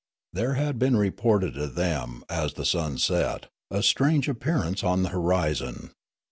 There had been reported to them, as the sun set, Spectralia 341 a strange appearance on the horizon.